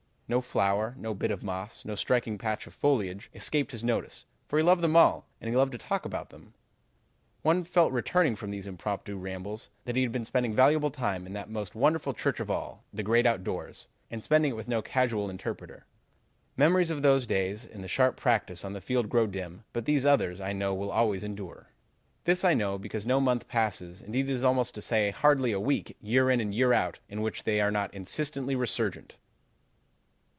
No flower, no bit of moss, no striking patch of foliage escaped his notice, for he loved them all, and loved to talk about them. One felt, returning from one of these impromptu rambles, that he had been spending valuable time in that most wonderful church of all, the great outdoors, and spending it with no casual interpreter. Memories of those days in the sharp practice on the field grow dim, but these others I know will always endure. "This I know because no month passes, indeed it is almost safe to say, hardly a week, year in and year out, in which they are not insistently resurgent.